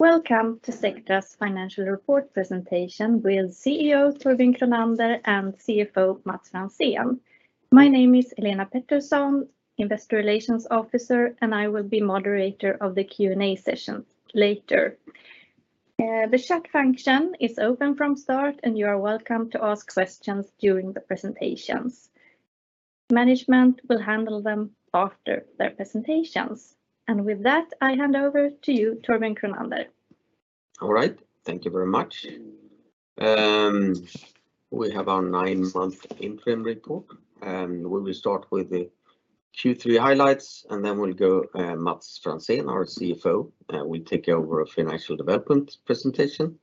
Welcome to Sectra's financial report presentation with CEO Torbjörn Kronander and CFO Mats Franzén. My name is Helena Pettersson, Investor Relations Officer, and I will be moderator of the Q&A session later. The chat function is open from start, and you are welcome to ask questions during the presentations. Management will handle them after their presentations. With that, I hand over to you, Torbjörn Kronander. All right. Thank you very much. We have our nine-month interim report, and we will start with the Q3 highlights, and then we'll go, Mats Franzén, our CFO, will take over a financial development presentation.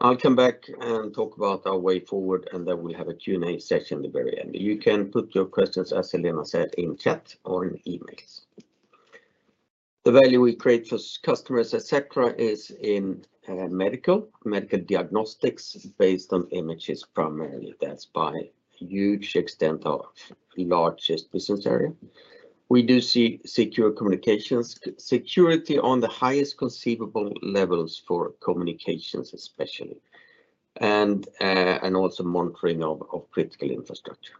I'll come back and talk about our way forward, and then we'll have a Q&A session at the very end. You can put your questions, as Helena said, in chat or in emails. The value we create for customers at Sectra is in medical diagnostics based on images primarily. That's by a huge extent our largest business area. We do Secure Communications, security on the highest conceivable levels for communications especially, and also monitoring of critical infrastructure.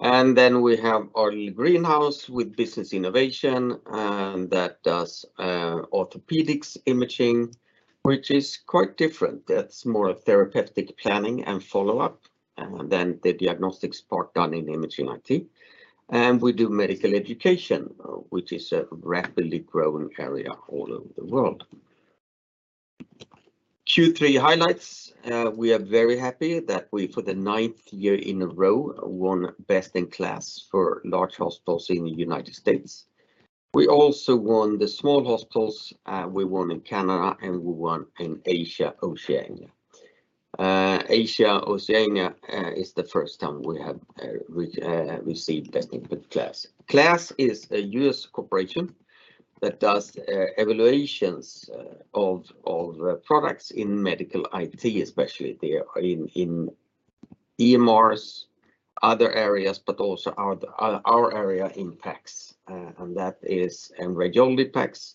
Then we have our greenhouse with Business Innovation, and that does orthopedics imaging, which is quite different. That's more therapeutic planning and follow-up than the diagnostics part done in Imaging IT. We do medical education, which is a rapidly growing area all over the world. Q3 highlights, we are very happy that we for the ninth year in a row won Best in KLAS for large hospitals in the United States. We also won the small hospitals, we won in Canada, and we won in Asia/Oceania. Asia/Oceania is the first time we have received Best in KLAS. KLAS is a U.S. corporation that does evaluations of products in medical IT, especially in EMRs, other areas, but also our area in PACS, and that is in radiology PACS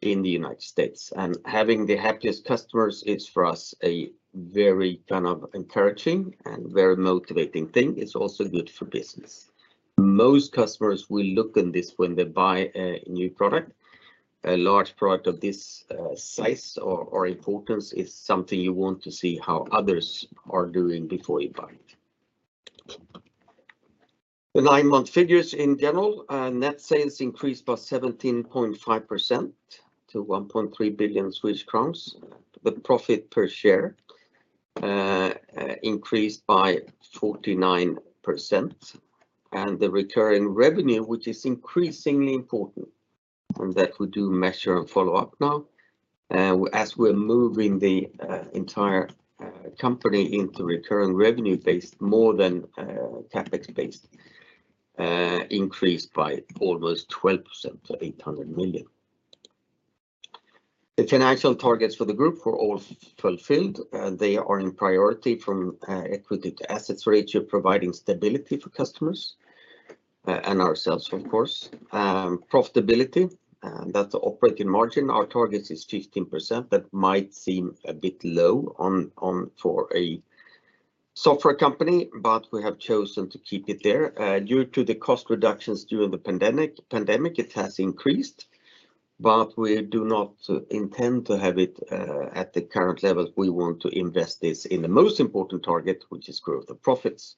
in the United States. Having the happiest customers is for us a very kind of encouraging and very motivating thing. It's also good for business. Most customers will look in this when they buy a new product. A large product of this size or importance is something you want to see how others are doing before you buy it. The nine-month figures in general, net sales increased by 17.5% to 1.3 billion Swedish crowns. The profit per share increased by 49%, and the recurring revenue, which is increasingly important, and that we do measure and follow up now, as we're moving the entire company into recurring revenue based more than CapEx based, increased by almost 12% to 800 million. The financial targets for the group were all fulfilled. They are in priority from equity to assets ratio, providing stability for customers and ourselves, of course. Profitability, that's operating margin. Our target is 15%. That might seem a bit low on for a software company, but we have chosen to keep it there. Due to the cost reductions during the pandemic, it has increased, but we do not intend to have it at the current level. We want to invest this in the most important target, which is growth of profits.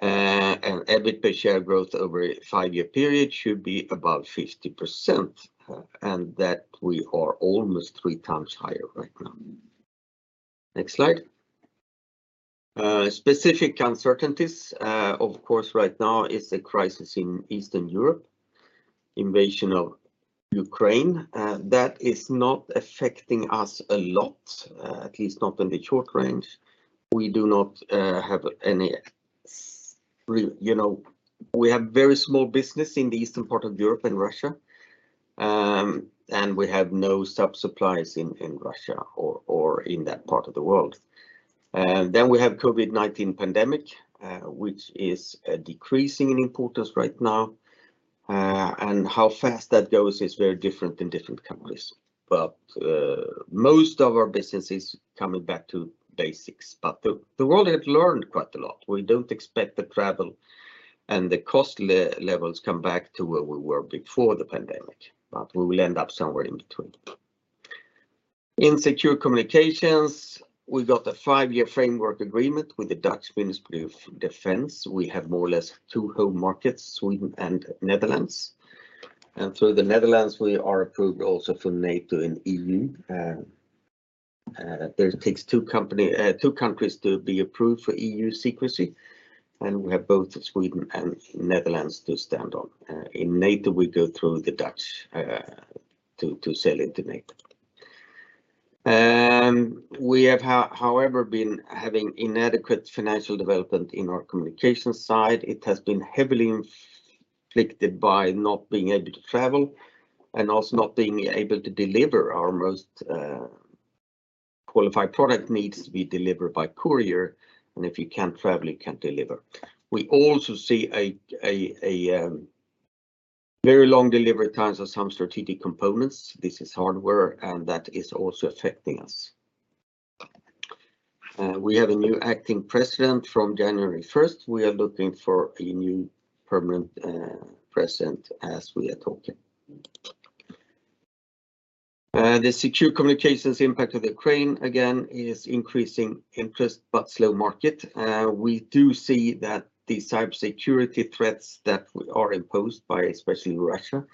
EBIT per share growth over a five-year period should be about 50%, and that we are almost 3x higher right now. Next slide. Specific uncertainties, of course, right now is the crisis in Eastern Europe, invasion of Ukraine. That is not affecting us a lot, at least not in the short range. We do not have any real, you know, we have very small business in the eastern part of Europe and Russia, and we have no sub-suppliers in Russia or in that part of the world. Then we have COVID-19 pandemic, which is decreasing in importance right now, and how fast that goes is very different in different countries. Most of our business is coming back to basics, but the world had learned quite a lot. We don't expect the travel and the cost levels come back to where we were before the pandemic, but we will end up somewhere in between. In Secure Communications, we got a five-year framework agreement with the Dutch Ministry of Defence. We have more or less two home markets, Sweden and Netherlands. Through the Netherlands, we are approved also for NATO and EU. It takes two countries to be approved for EU secrecy, and we have both Sweden and Netherlands to stand on. In NATO, we go through the Dutch to sell into NATO. We have, however, been having inadequate financial development in our Communication side. It has been heavily affected by not being able to travel and also not being able to deliver our most qualified product needs to be delivered by courier, and if you can't travel, you can't deliver. We also see very long delivery times of some strategic components. This is hardware, and that is also affecting us. We have a new acting president from January 1st. We are looking for a new permanent president as we are talking. The Secure Communications impact of Ukraine, again, is increasing interest but slow market. We do see that the cybersecurity threats that are imposed by especially Russia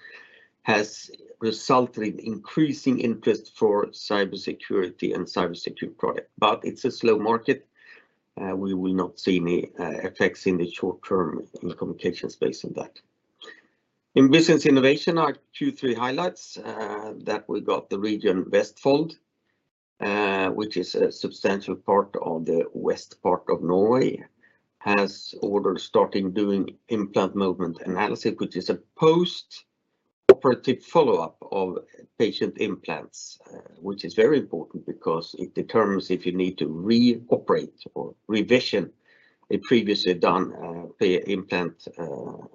has resulted in increasing interest for cybersecurity and cybersecurity product. But it's a slow market. We will not see any effects in the short term in the communication space on that. In Business Innovation, our Q3 highlights that we got the Region Vestfold, which is a substantial part of the west part of Norway, has ordered starting doing Implant Movement Analysis, which is a post-operative follow-up of patient implants. Which is very important because it determines if you need to re-operate or revision a previously done implant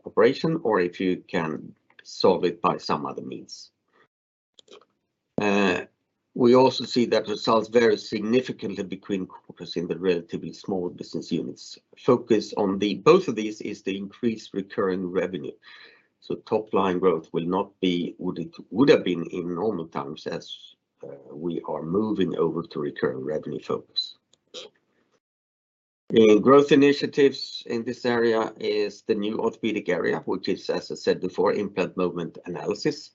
operation, or if you can solve it by some other means. We also see that results vary significantly between quarters in the relatively small business units. Focus on the both of these is the increased recurring revenue. Top line growth will not be what it would have been in normal times as we are moving over to recurring revenue focus. In growth initiatives in this area is the new orthopedic area, which is, as I said before, Implant Movement Analysis,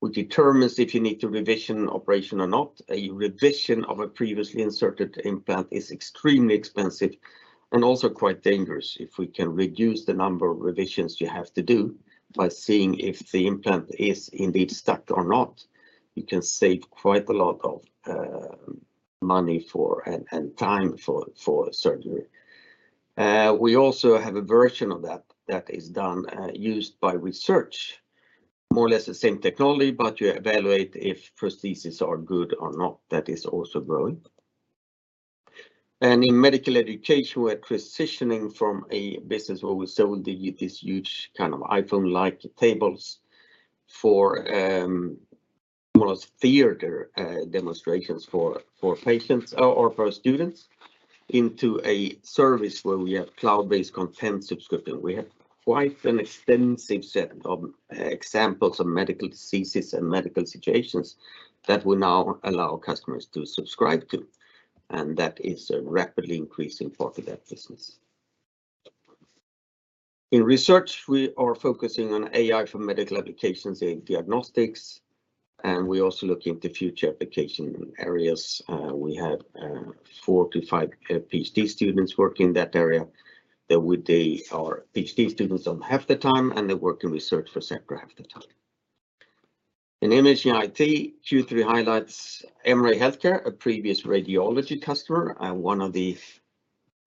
which determines if you need to revision operation or not. A revision of a previously inserted implant is extremely expensive and also quite dangerous. If we can reduce the number of revisions you have to do by seeing if the implant is indeed stuck or not, you can save quite a lot of money and time for surgery. We also have a version of that that is used by research. More or less the same technology, but you evaluate if prostheses are good or not. That is also growing. In Medical Education, we're transitioning from a business where we sell this huge kind of iPhone-like tables for almost theater demonstrations for patients or for students into a service where we have cloud-based content subscription. We have quite an extensive set of examples of medical diseases and medical situations that will now allow customers to subscribe to, and that is a rapidly increasing part of that business. In Research, we are focusing on AI for medical applications in diagnostics, and we're also looking at the future application areas. We have 4-5 PhD students working in that area. They are PhD students on half the time, and they work in research for Sectra half the time. In Imaging IT, Q3 highlights, Emory Healthcare, a previous radiology customer and one of the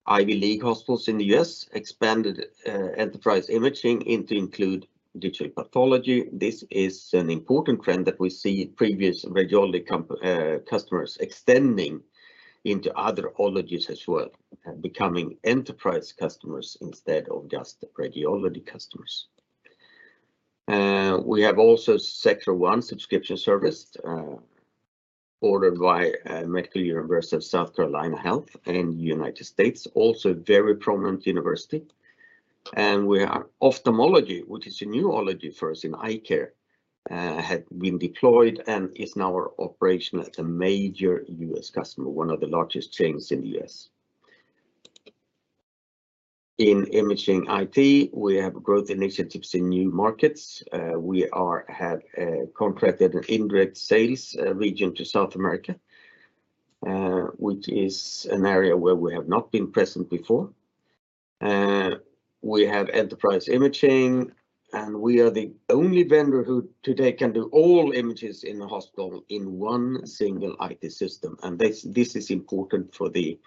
Ivy League hospitals in the U.S., expanded enterprise imaging to include digital pathology. This is an important trend that we see previous radiology customers extending into other ologies as well, becoming enterprise customers instead of just radiology customers. We have also Sectra One subscription service ordered by MUSC Health in the United States, also a very prominent university. Ophthalmology, which is a new ology for us in eye care, had been deployed and is now operational at a major U.S. customer, one of the largest chains in the U.S. In Imaging IT, we have growth initiatives in new markets. We have contracted an indirect sales region to South America, which is an area where we have not been present before. We have enterprise imaging, and we are the only vendor who today can do all images in the hospital in one single IT system. This is important for both the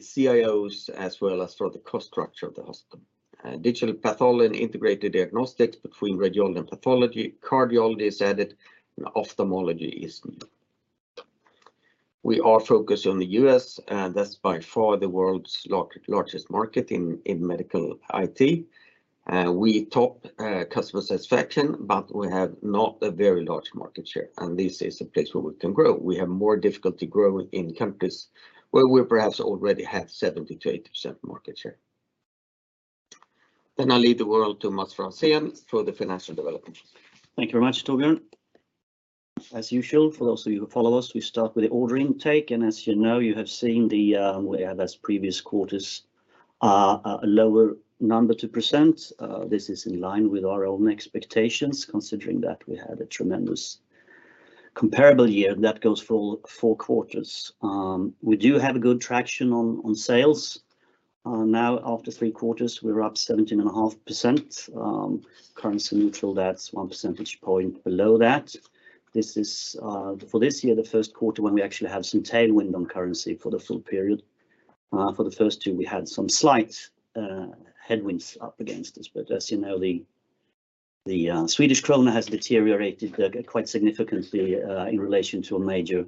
CIOs as well as for the cost structure of the hospital. Digital pathology and integrated diagnostics between radiology and pathology. Cardiology is added, and ophthalmology is new. We are focused on the U.S., and that's by far the world's largest market in medical IT. We top customer satisfaction, but we have not a very large market share, and this is a place where we can grow. We have more difficulty growing in countries where we perhaps already have 70%-80% market share. I leave the word to Mats Franzén for the financial developments. Thank you very much, Torbjörn. As usual, for those of you who follow us, we start with the order intake. As you know, you have seen. We have, as previous quarters, a lower number to present. This is in line with our own expectations, considering that we had a tremendous comparable year. That goes for all four quarters. We do have good traction on sales. Now after three quarters, we're up 17.5%. Currency neutral, that's 1 percentage point below that. This is for this year, the first quarter when we actually have some tailwind on currency for the full period. For the first two, we had some slight headwinds against us. As you know, the Swedish krona has deteriorated quite significantly in relation to a major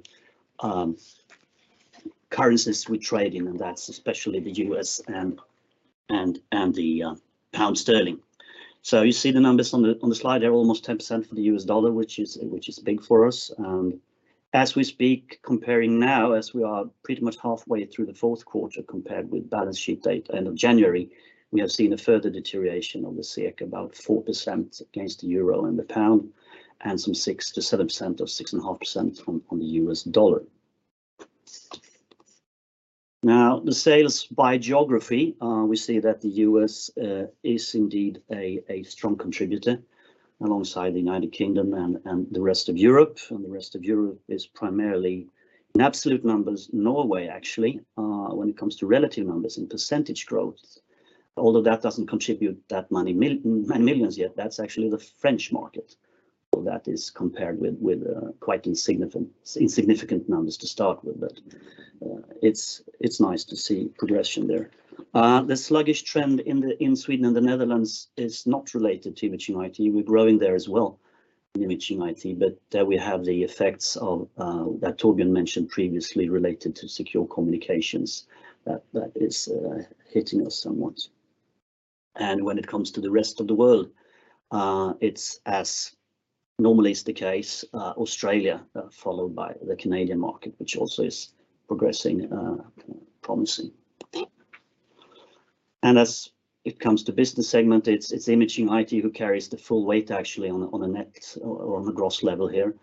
currencies we trade in, and that's especially the U.S. and the pound sterling. You see the numbers on the slide, they're almost 10% for the U.S. dollar, which is big for us. As we speak, comparing now as we are pretty much halfway through the fourth quarter compared with balance sheet date end of January, we have seen a further deterioration of the SEK, about 4% against the euro and the pound, and some 6%-7% or 6.5% on the U.S. dollar. Now, the sales by geography, we see that the U.S. is indeed a strong contributor alongside the United Kingdom and the rest of Europe, and the rest of Europe is primarily in absolute numbers, Norway actually, when it comes to relative numbers and percentage growth, although that doesn't contribute that many millions yet. That's actually the French market. So that is compared with quite insignificant numbers to start with. It's nice to see progression there. The sluggish trend in Sweden and the Netherlands is not related to Imaging IT. We're growing there as well in Imaging IT, but there we have the effects of that Torbjörn mentioned previously related to Secure Communications that is hitting us somewhat. When it comes to the rest of the world, it's as it normally is the case, Australia, followed by the Canadian market, which also is progressing promisingly. As it comes to business segment, it's Imaging IT who carries the full weight actually on a net or on a gross level here.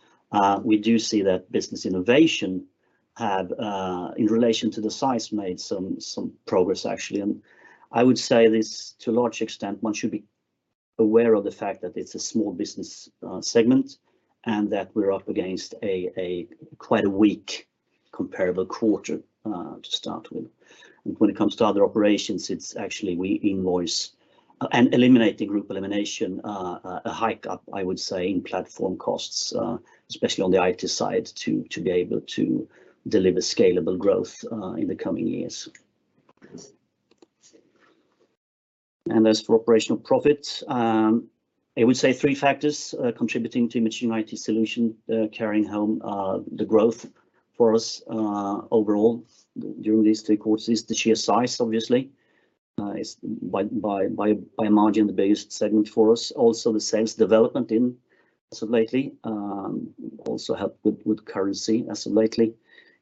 We do see that Business Innovation have in relation to the size, made some progress, actually. I would say this to a large extent, one should be aware of the fact that it's a small business segment and that we're up against a quite weak comparable quarter to start with. When it comes to other operations, it's actually invoicing and eliminating group elimination, an uptick, I would say, in platform costs, especially on the IT side, to be able to deliver scalable growth in the coming years. As for operating profits, I would say three factors contributing to Imaging IT solution carrying the growth for us overall during these three quarters is the sheer size obviously. It's by a margin the biggest segment for us. Also, the sales development lately also helped with currency as of late.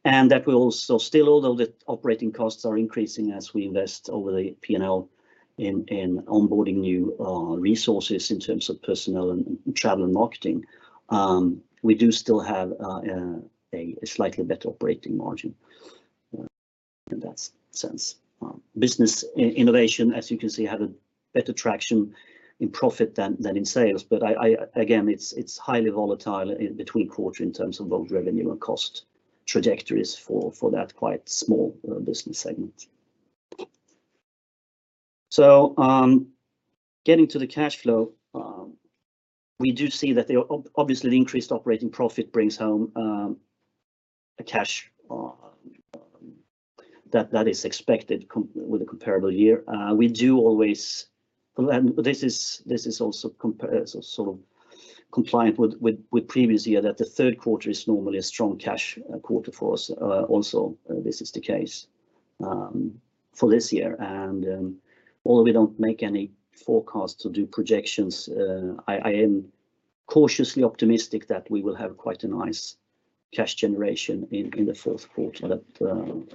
That will also still, although the operating costs are increasing as we invest over the P&L in onboarding new resources in terms of personnel and travel and marketing, we do still have a slightly better operating margin in that sense. Business Innovation, as you can see, have a better traction in profit than in sales. I again, it's highly volatile in between quarter in terms of both revenue and cost trajectories for that quite small business segment. Getting to the cash flow, we do see that the obviously increased operating profit brings home a cash that is expected comparable with the comparable year. We do always. This is also comp. Sort of compliant with previous year that the third quarter is normally a strong cash quarter for us. Also, this is the case for this year. Although we don't make any forecasts or do projections, I am cautiously optimistic that we will have quite a nice cash generation in the fourth quarter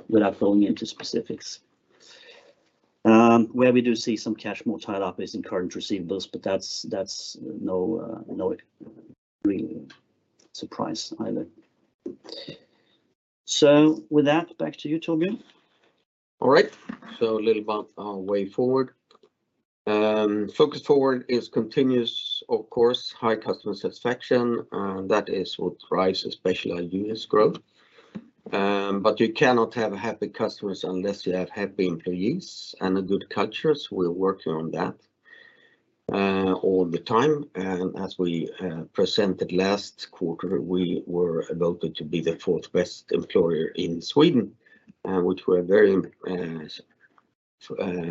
without going into specifics. Where we do see some cash more tied up is in current receivables, but that's no real surprise either. With that, back to you, Torbjörn. All right, a little about our way forward. Focus forward is continuous, of course, high customer satisfaction. That is what drives especially our U.S. growth. You cannot have happy customers unless you have happy employees and a good culture, so we're working on that all the time. As we presented last quarter, we were voted to be the fourth best employer in Sweden, which we're very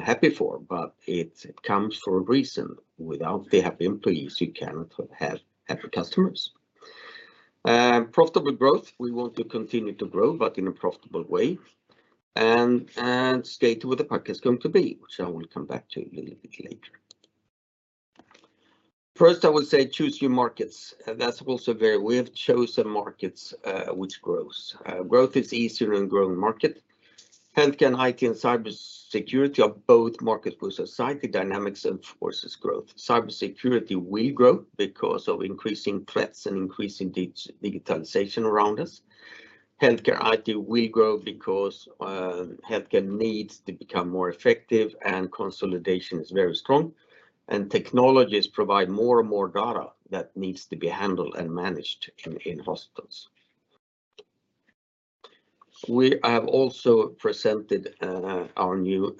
happy for. It comes for a reason. Without the happy employees, you cannot have happy customers. Profitable growth. We want to continue to grow, but in a profitable way. Stay ahead of the pack, which I will come back to a little bit later. First, I would say choose your markets. That's also very. We have chosen markets, which grows. Growth is easier in growing market. Healthcare and IT and cyber security are both markets with societal dynamics and forces growth. Cyber security will grow because of increasing threats and increasing digitalization around us. Healthcare IT will grow because healthcare needs to become more effective and consolidation is very strong, and technologies provide more and more data that needs to be handled and managed in hospitals. We have also presented our new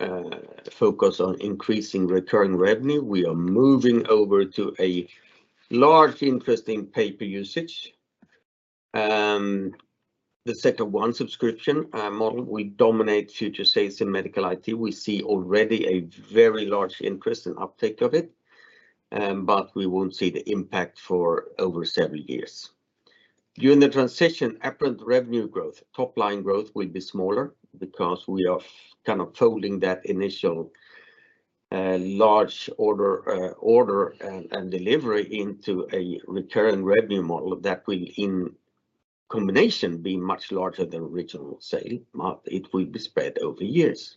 focus on increasing recurring revenue. We are moving over to the Sectra One subscription model will dominate future sales in medical IT. We see already a very large interest in uptake of it, but we won't see the impact for over several years. During the transition, upfront revenue growth, top line growth will be smaller because we are kind of folding that initial large order and delivery into a recurring revenue model that will in combination be much larger than original sale, but it will be spread over years.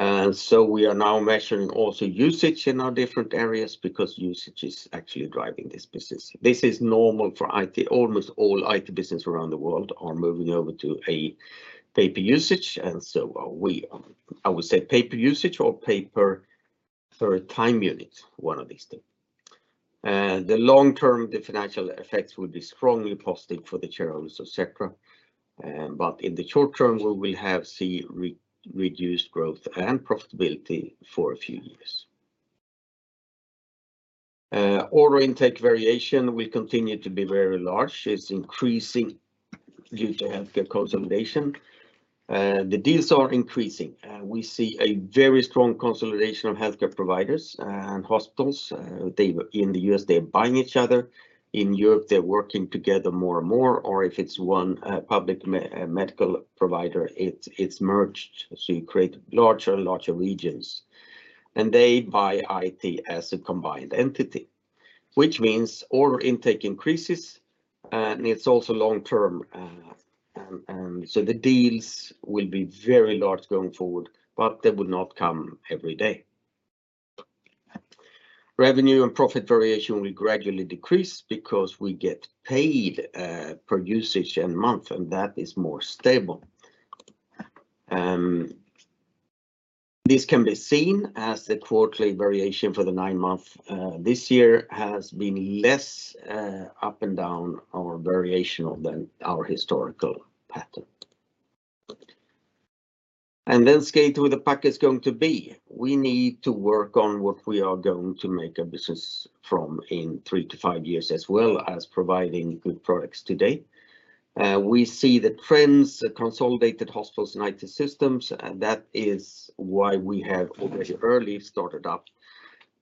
We are now measuring also usage in our different areas because usage is actually driving this business. This is normal for IT. Almost all IT business around the world are moving over to a pay per usage, and so are we. I would say pay per usage or pay per time unit, one of these two. In the long term, the financial effects will be strongly positive for the shareholders of Sectra, but in the short term we will have reduced growth and profitability for a few years. Order intake variation will continue to be very large. It's increasing due to healthcare consolidation. The deals are increasing. We see a very strong consolidation of healthcare providers and hospitals. In the U.S. they're buying each other. In Europe, they're working together more and more, or if it's one public medical provider, it's merged, so you create larger and larger regions, and they buy IT as a combined entity, which means order intake increases and it's also long-term. The deals will be very large going forward, but they will not come every day. Revenue and profit variation will gradually decrease because we get paid per usage and month, and that is more stable. This can be seen as the quarterly variation for the nine-month this year has been less up and down or variational than our historical pattern. Skate to where the puck is going to be, we need to work on what we are going to make a business from in 3-5 years as well as providing good products today. We see the trends, the consolidated hospitals and IT systems, and that is why we have already early started up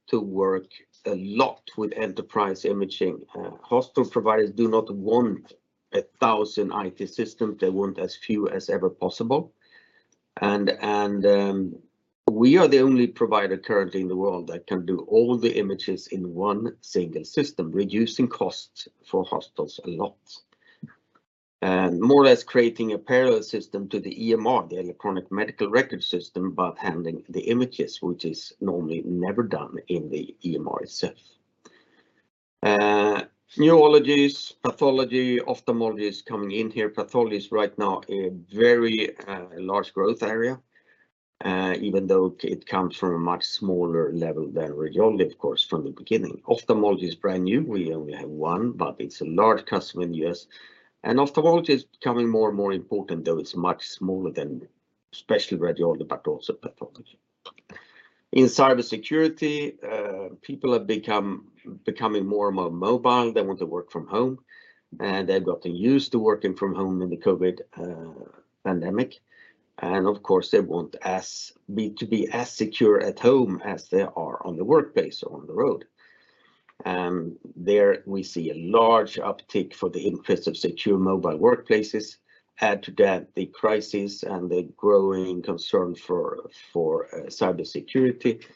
to work a lot with enterprise imaging. Hospital providers do not want 1,000 IT systems. They want as few as ever possible. We are the only provider currently in the world that can do all the images in one single system, reducing costs for hospitals a lot, and more or less creating a parallel system to the EMR, the electronic medical record system, but handling the images which is normally never done in the EMR itself. Neurologists, pathologists, ophthalmologists are coming in here. Pathology is right now a very large growth area, even though it comes from a much smaller level than radiology of course from the beginning. Ophthalmology is brand new. We only have one, but it's a large customer in the U.S., and ophthalmology is becoming more and more important, though it's much smaller than especially radiology, but also pathology. In cybersecurity, people are becoming more and more mobile. They want to work from home, and they've gotten used to working from home in the COVID pandemic, and of course, they want to be as secure at home as they are in the workplace or on the road. There we see a large uptick for the increase of secure mobile workplaces. Add to that the crisis and the growing concern for cybersecurity,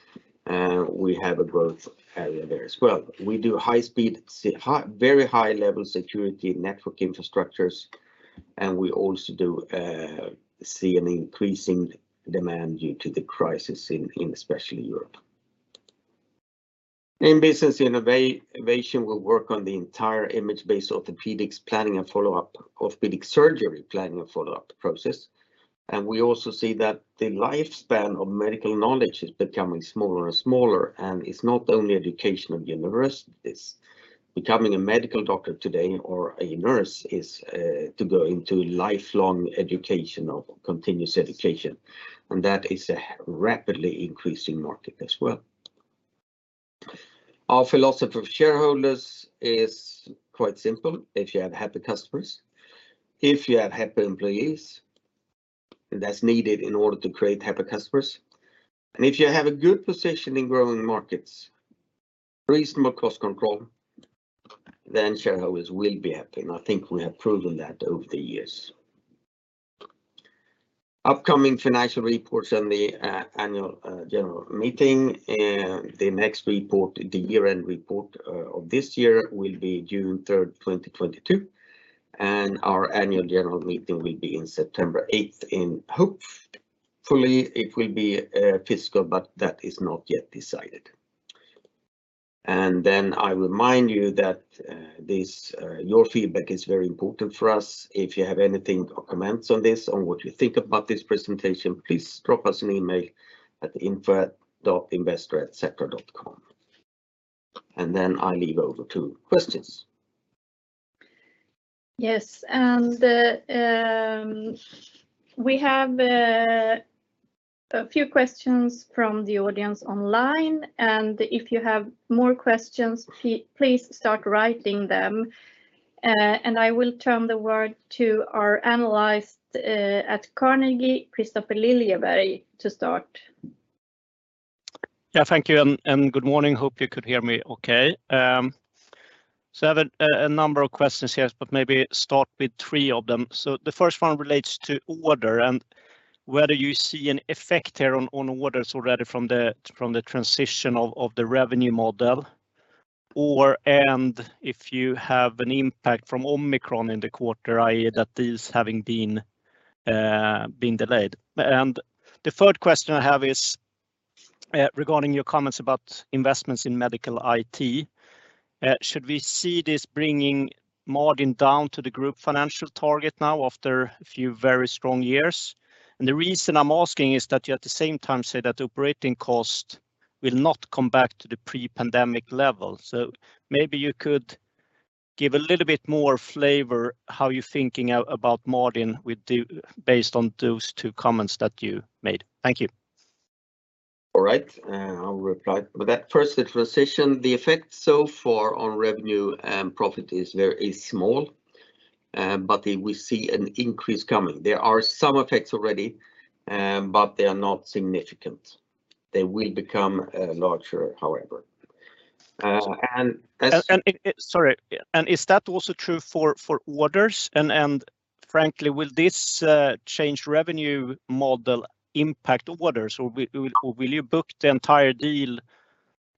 we have a growth area there as well. We do very high level security network infrastructures, and we also see an increasing demand due to the crisis in especially Europe. In Business Innovation, we'll work on the entire image-based orthopedics planning and follow-up, orthopedic surgery planning and follow-up process, and we also see that the lifespan of medical knowledge is becoming smaller and smaller, and it's not only education of universities. Becoming a medical doctor today or a nurse is to go into lifelong educational, continuous education, and that is a rapidly increasing market as well. Our philosophy of shareholders is quite simple. If you have happy customers, if you have happy employees, and that's needed in order to create happy customers, and if you have a good position in growing markets, reasonable cost control, then shareholders will be happy, and I think we have proven that over the years. Upcoming financial reports and the annual general meeting, the next report, the year-end report of this year will be June 3rd, 2022, and our annual general meeting will be in September 8th. In hopefully it will be physical, but that is not yet decided. Then I remind you that this your feedback is very important for us. If you have anything or comments on this or what you think about this presentation, please drop us an email at info.investor@sectra.com. I leave over to questions. Yes, we have a few questions from the audience online, and if you have more questions, please start writing them. I will turn it over to our analyst at Carnegie, Kristofer Liljeberg, to start. Thank you, and good morning. Hope you can hear me okay. I have a number of questions, yes, but maybe start with three of them. The first one relates to order and whether you see an effect here on orders already from the transition of the revenue model, or and if you have an impact from Omicron in the quarter, i.e., that is having been delayed. The third question I have is regarding your comments about investments in medical IT. Should we see this bringing margin down to the group financial target now after a few very strong years? The reason I'm asking is that you, at the same time, say that operating cost will not come back to the pre-pandemic level. Maybe you could give a little bit more flavor how you're thinking out, about margin with the, based on those two comments that you made. Thank you. All right. I'll reply. With that first transition, the effect so far on revenue and profit is very small, but we see an increase coming. There are some effects already, but they are not significant. They will become larger, however. Sorry. Is that also true for orders? Frankly, will this change revenue model impact orders, or will you book the entire deal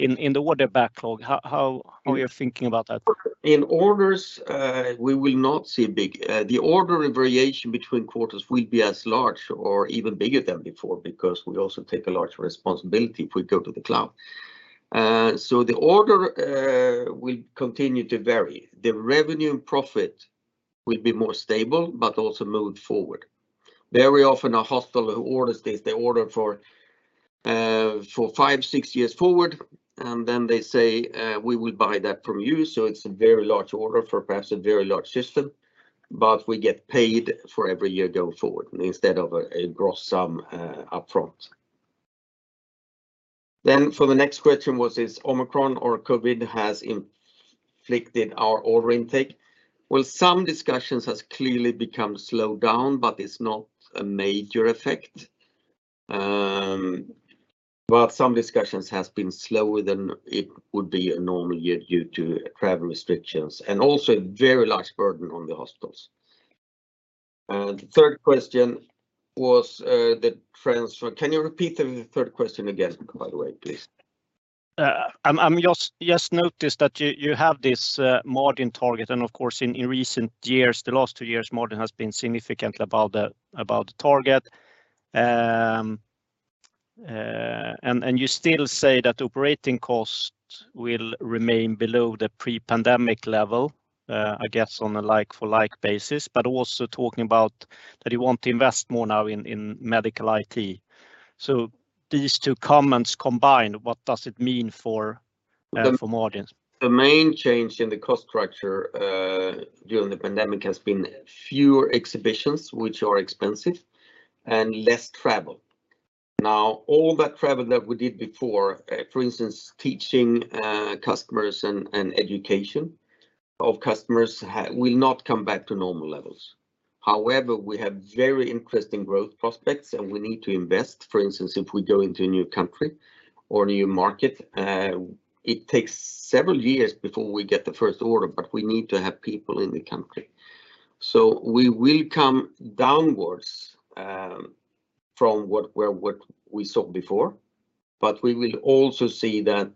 in the order backlog? How are you thinking about that? In orders, the order variation between quarters will be as large or even bigger than before because we also take a large responsibility if we go to the cloud. The order will continue to vary. The revenue and profit will be more stable but also move forward. Very often a hospital who orders this, they order for five, six years forward, and then they say, "We will buy that from you." It's a very large order for perhaps a very large system, but we get paid for every year going forward instead of a gross sum up front. The next question was, has Omicron or COVID affected our order intake. Well, some discussions has clearly become slowed down, but it's not a major effect. Some discussions has been slower than it would be a normal year due to travel restrictions and also a very large burden on the hospitals. Third question was, the transfer. Can you repeat the third question again, by the way, please? I just noticed that you have this margin target and, of course, in recent years, the last two years, margin has been significantly above the target. You still say that operating costs will remain below the pre-pandemic level, I guess, on a like-for-like basis. But also talking about that you want to invest more now in medical IT. These two comments combined, what does it mean for margin? The main change in the cost structure during the pandemic has been fewer exhibitions, which are expensive, and less travel. Now, all that travel that we did before, for instance, teaching customers and education of customers will not come back to normal levels. However, we have very interesting growth prospects, and we need to invest. For instance, if we go into a new country or a new market, it takes several years before we get the first order, but we need to have people in the country. We will come downwards from what we saw before, but we will also see that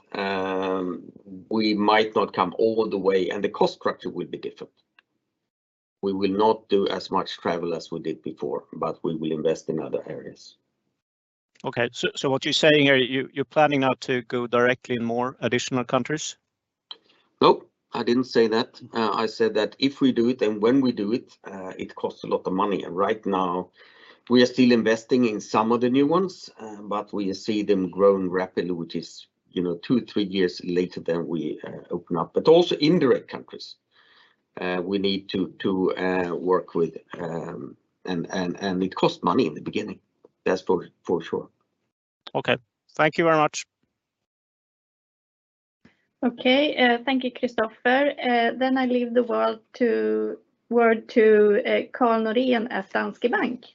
we might not come all the way, and the cost structure will be different. We will not do as much travel as we did before, but we will invest in other areas. What you're saying here, you're planning now to go directly in more additional countries? Nope. I didn't say that. I said that if we do it and when we do it costs a lot of money. Right now we are still investing in some of the new ones, but we see them growing rapidly, which is, you know, two, three years later than we open up. Also indirect countries, we need to work with, and it costs money in the beginning. That's for sure. Okay. Thank you very much. Okay. Thank you, Kristofer. I leave the word to Carl Norén at Svenska Handelsbanken.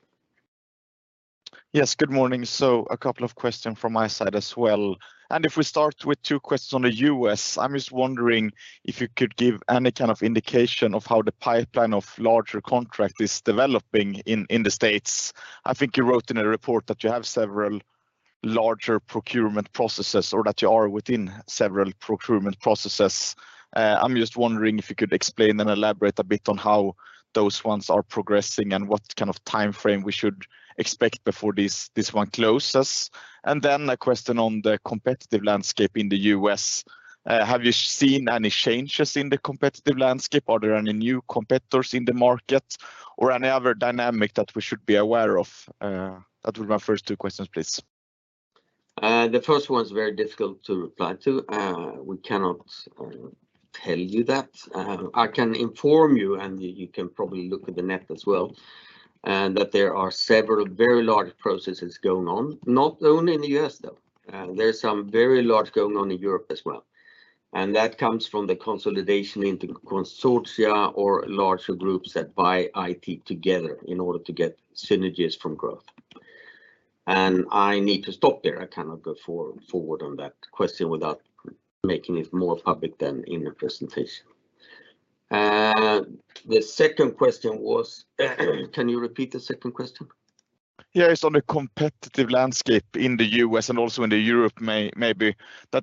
Yes, good morning. A couple of question from my side as well. If we start with two questions on the U.S., I'm just wondering if you could give any kind of indication of how the pipeline of larger contract is developing in the States. I think you wrote in a report that you have several larger procurement processes or that you are within several procurement processes. I'm just wondering if you could explain and elaborate a bit on how those ones are progressing and what kind of timeframe we should expect before this one closes. A question on the competitive landscape in the U.S. Have you seen any changes in the competitive landscape? Are there any new competitors in the market or any other dynamic that we should be aware of? That would be my first two questions, please. The first one's very difficult to reply to. We cannot tell you that. I can inform you, and you can probably look at the net as well, and that there are several very large processes going on, not only in the U.S., though. There's some very large going on in Europe as well, and that comes from the consolidation into consortia or larger groups that buy IT together in order to get synergies from growth. I need to stop there. I cannot go forward on that question without making it more public than in the presentation. The second question was. Can you repeat the second question? Yeah. It's on the competitive landscape in the U.S. and also in Europe. Maybe,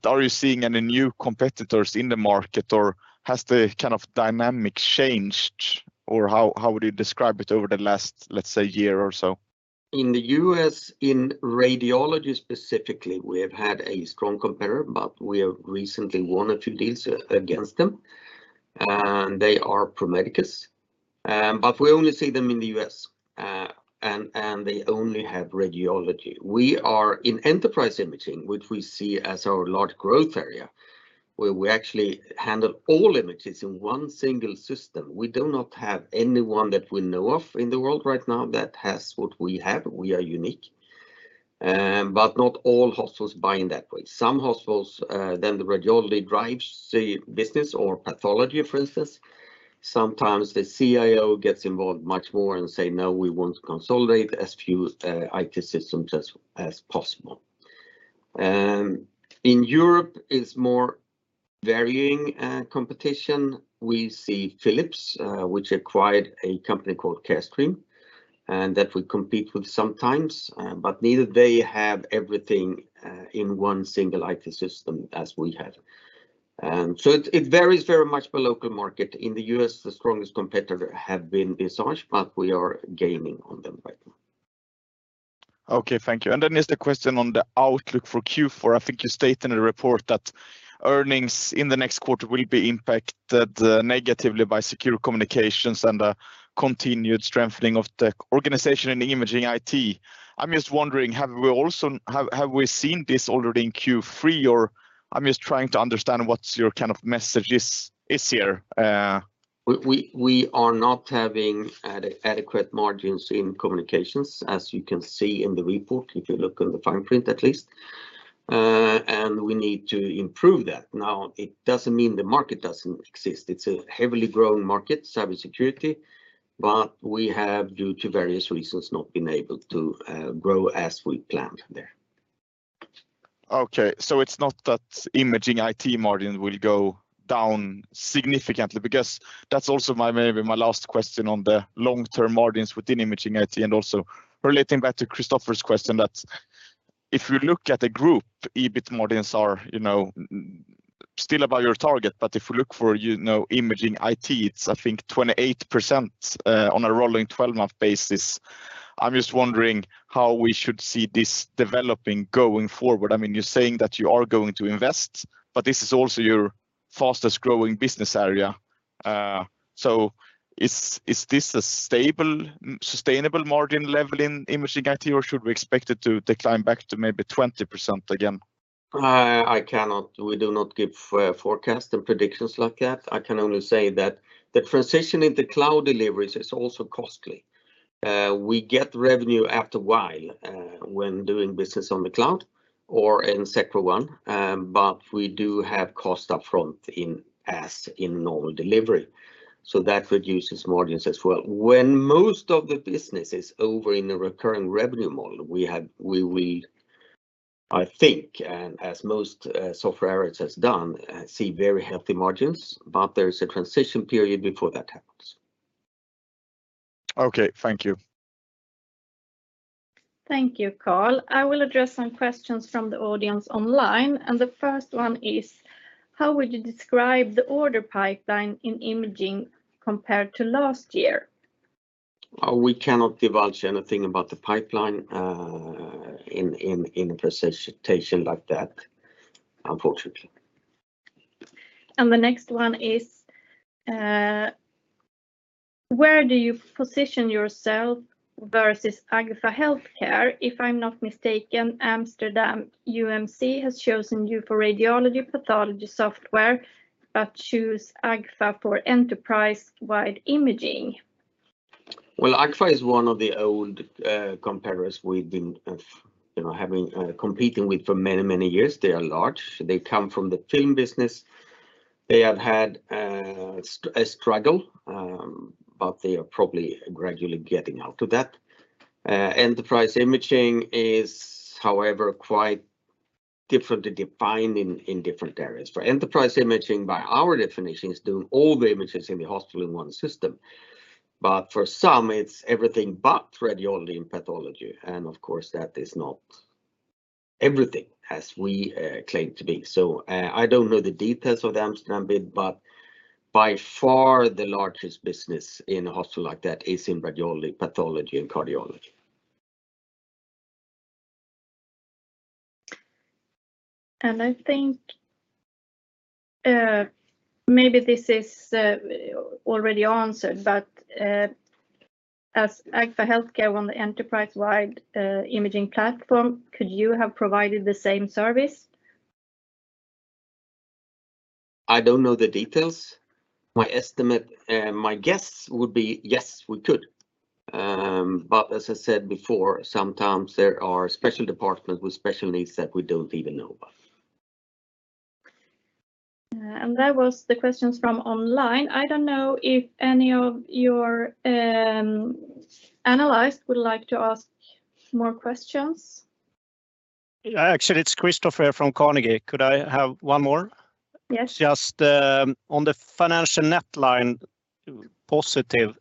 are you seeing any new competitors in the market, or has the kind of dynamic changed, or how would you describe it over the last, let's say, year or so? In the U.S., in radiology specifically, we have had a strong competitor, but we have recently won one or two deals against them. They are Pro Medicus, but we only see them in the U.S. They only have radiology. We are in enterprise imaging, which we see as our large growth area, where we actually handle all images in one single system. We do not have anyone that we know of in the world right now that has what we have. We are unique. Not all hospitals buy in that way. Some hospitals, then the radiology drives the business or pathology for instance. Sometimes the CIO gets involved much more and say, "No, we want to consolidate as few IT systems as possible." In Europe it's more varying competition. We see Philips, which acquired a company called Carestream, that we compete with sometimes, but neither they have everything in one single IT system as we have. It varies very much per local market. In the U.S. the strongest competitor have been Visage, but we are gaining on them right now. Okay. Thank you. There's the question on the outlook for Q4. I think you state in the report that earnings in the next quarter will be impacted negatively by Secure Communications and a continued strengthening of the organization in the Imaging IT. I'm just wondering, have we also seen this already in Q3, or I'm just trying to understand what's your kind of message is here? We are not having adequate margins in Communications, as you can see in the report, if you look on the fine print at least. We need to improve that. Now, it doesn't mean the market doesn't exist. It's a heavily growing market, cybersecurity, but we have, due to various reasons, not been able to grow as we planned there. Okay. It's not that Imaging IT margin will go down significantly because that's also my, maybe my last question on the long-term margins within Imaging IT and also relating back to Kristofer's question that if you look at the group, EBIT margins are, you know, still above your target, but if you look for, you know, Imaging IT, it's I think 28% on a rolling 12-month basis. I'm just wondering how we should see this developing going forward. I mean, you're saying that you are going to invest, but this is also your fastest growing business area. Is this a stable, sustainable margin level in Imaging IT, or should we expect it to decline back to maybe 20% again? I cannot. We do not give forecasts and predictions like that. I can only say that the transition into cloud deliveries is also costly. We get revenue after a while when doing business on the cloud or in Sectra One, but we do have cost up front, as in normal delivery. That reduces margins as well. When most of the business is over in the recurring revenue model, we will, I think, and as most software has done, see very healthy margins, but there's a transition period before that happens. Okay. Thank you. Thank you, Carl. I will address some questions from the audience online, and the first one is, how would you describe the order pipeline in imaging compared to last year? We cannot divulge anything about the pipeline in a presentation like that, unfortunately. The next one is, where do you position yourself versus AGFA HealthCare? If I'm not mistaken, Amsterdam UMC has chosen you for radiology pathology software, but chose AGFA for enterprise imaging. Well, AGFA is one of the old competitors we've been, you know, competing with for many years. They are large. They come from the film business. They have had a struggle, but they are probably gradually getting out of that. Enterprise imaging is, however, quite different to define in different areas, for enterprise imaging by our definition is doing all the images in the hospital in one system. For some, it's everything but radiology and pathology, and of course, that is not everything as we claim to be. I don't know the details of the Amsterdam bid, but by far the largest business in a hospital like that is in radiology, pathology, and cardiology. I think maybe this is already answered, but as AGFA HealthCare won the enterprise-wide imaging platform, could you have provided the same service? I don't know the details. My estimate, my guess would be yes, we could. As I said before, sometimes there are special departments with special needs that we don't even know about. That was the questions from online. I don't know if any of your analysts would like to ask more questions. Yeah, actually it's Kristofer from Carnegie. Could I have one more? Yes. Just, on the financial net line positive,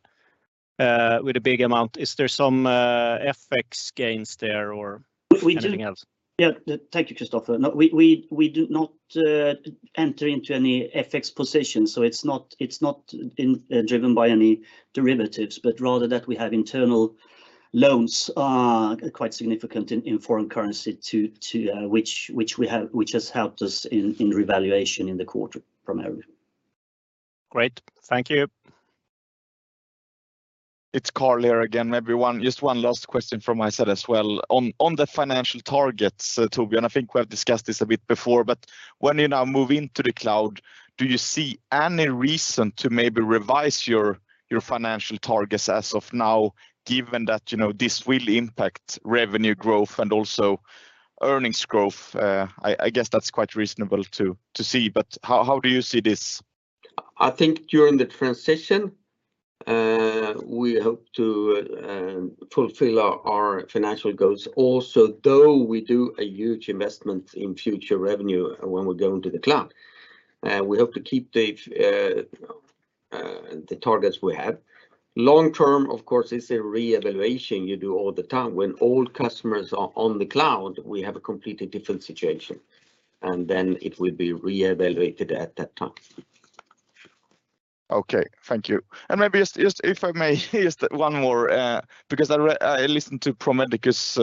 with a big amount, is there some FX gains there or- We do- Anything else? Yeah. Thank you, Kristofer. No, we do not enter into any FX position, so it's not driven by any derivatives but rather that we have internal loans quite significant in foreign currency to which we have which has helped us in revaluation in the quarter primarily. Great. Thank you. It's Carl here again, everyone. Just one last question from my side as well. On the financial targets, Torbjörn, I think we have discussed this a bit before, but when you now move into the cloud, do you see any reason to maybe revise your financial targets as of now given that, you know, this will impact revenue growth and also earnings growth? I guess that's quite reasonable to see, but how do you see this? I think during the transition, we hope to fulfill our financial goals also, though we do a huge investment in future revenue when we're going to the cloud. We hope to keep the targets we have. Long-term, of course, it's a reevaluation you do all the time. When all customers are on the cloud, we have a completely different situation, and then it will be reevaluated at that time. Okay. Thank you. Maybe just if I may one more because I listened to Pro Medicus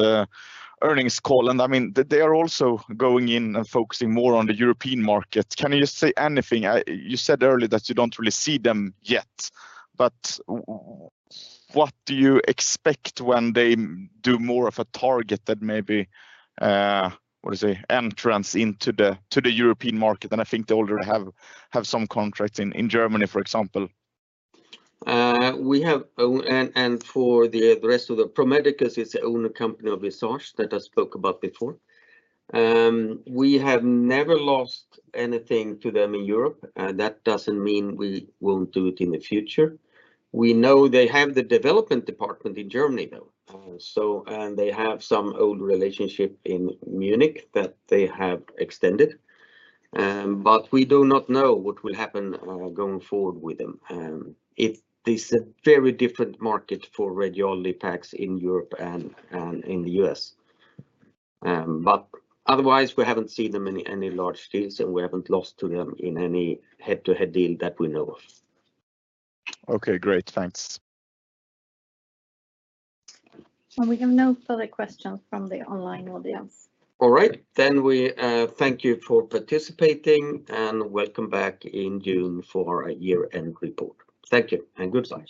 earnings call, and I mean, they are also going in and focusing more on the European market. Can you just say anything? You said earlier that you don't really see them yet, but what do you expect when they do more of a target that maybe what is it entrance into the European market? I think they already have some contracts in Germany, for example. Pro Medicus is the owner company of Visage that I spoke about before. We have never lost anything to them in Europe. That doesn't mean we won't do it in the future. We know they have the development department in Germany though, and they have some old relationship in Munich that they have extended, but we do not know what will happen going forward with them. It is a very different market for radiology PACS in Europe and in the U.S. Otherwise we haven't seen them in any large deals, and we haven't lost to them in any head-to-head deal that we know of. Okay, great. Thanks. We have no further questions from the online audience. All right, we thank you for participating, and welcome back in June for our year-end report. Thank you, and goodbye.